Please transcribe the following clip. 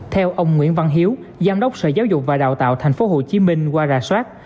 theo ông nguyễn văn hiếu giám đốc sở giáo dục và đào tạo thành phố hồ chí minh qua rà soát